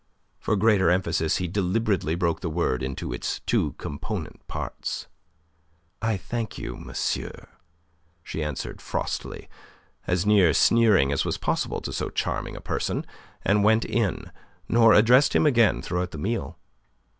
For greater emphasis he deliberately broke the word into its two component parts. "I thank you, monsieur," she answered, frostily, as near sneering as was possible to so charming a person, and went in, nor addressed him again throughout the meal.